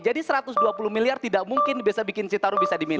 jadi satu ratus dua puluh miliar tidak mungkin bisa bikin citarum bisa diminum